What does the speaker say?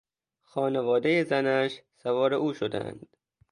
خانوادهی زنش سوار او شدهاند.